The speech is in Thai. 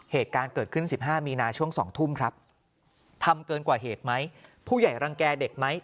เหตุการณ์เกิดขึ้น๑๕มีนาช่วง๒ทุ่มครับทำเกินกว่าเหตุไหมผู้ใหญ่รังแก่เด็กไหม